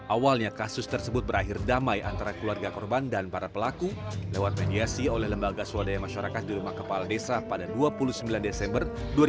awalnya kasus tersebut berakhir damai antara keluarga korban dan para pelaku lewat mediasi oleh lembaga swadaya masyarakat di rumah kepala desa pada dua puluh sembilan desember dua ribu dua puluh